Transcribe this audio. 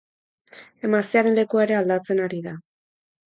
Emaztearen lekua ere aldatzen ari da.